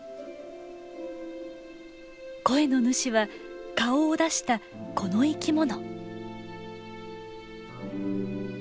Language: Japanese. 声の主は顔を出したこの生き物。